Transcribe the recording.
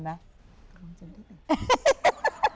กำลังจะได้แต่งงาน